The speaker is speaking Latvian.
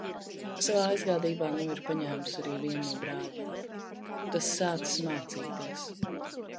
Savā aizgādībā nu ir paņēmusi arī vienu no brāļiem. Tas sācis mācīties.